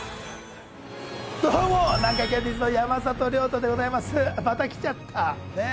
どうも南海キャンディーズの山里亮太でございますまた来ちゃったねぇ